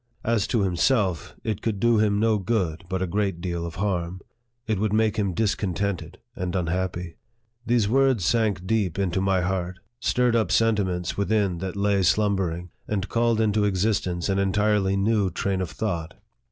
As to himself, it could do him no good, but a great deal of harm. It would make him discontented and unhappy." These words sank deep into my heart, stirred up sentiments within that lay slumbering, and called into existence an entirely new train of thought.